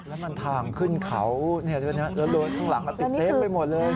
แล้วมันทางขึ้นเขาแล้วโดนข้างหลังติดเต็มไปหมดเลย